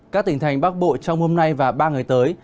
các tỉnh thành bắc bộ trong hôm nay và ba ngày tới